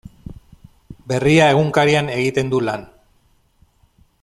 Berria egunkarian egiten du lan.